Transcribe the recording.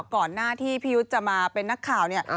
ก่อนหน้าที่พี่ยุทธ์จะมาเป็นนักข่าวเนี่ย